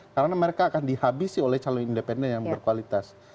karena mereka akan dihabisi oleh calon independen yang berkualitas